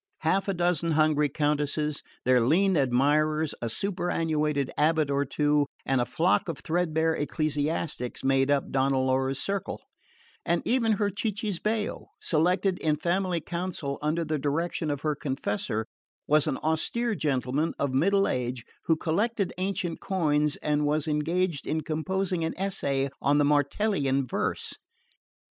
Half a dozen hungry Countesses, their lean admirers, a superannuated abate or two, and a flock of threadbare ecclesiastics, made up Donna Laura's circle; and even her cicisbeo, selected in family council under the direction of her confessor, was an austere gentleman of middle age, who collected ancient coins and was engaged in composing an essay on the Martellian verse.